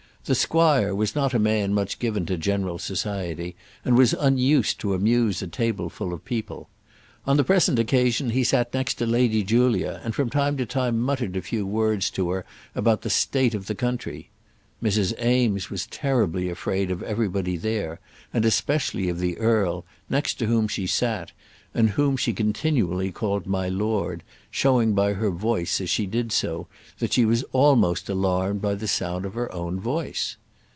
The squire was not a man much given to general society, and was unused to amuse a table full of people. On the present occasion he sat next to Lady Julia, and from time to time muttered a few words to her about the state of the country. Mrs. Eames was terribly afraid of everybody there, and especially of the earl, next to whom she sat, and whom she continually called "my lord," showing by her voice as she did so that she was almost alarmed by the sound of her own voice.